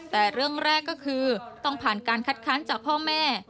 แต่เรื่องแรกก็คือต้องผ่านการคัดค้านจากพ่อแม่